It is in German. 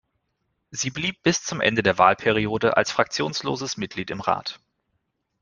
Sie blieb bis zum Ende der Wahlperiode als fraktionsloses Mitglied im Rat.